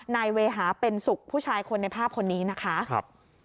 นายเวหาเป็นศุกร์ผู้ชายคนในภาพคนนี้นะคะ